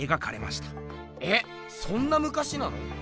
えっそんなむかしなの？